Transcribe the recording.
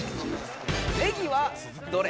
ねぎはどれ？